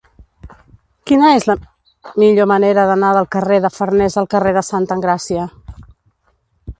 Quina és la millor manera d'anar del carrer de Farnés al carrer de Santa Engràcia?